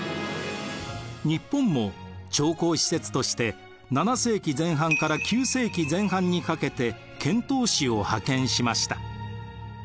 日本も朝貢使節として７世紀前半から９世紀前半にかけて遣唐使を派遣しました。